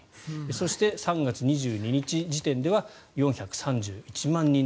そして３月２２日時点では４３１万人。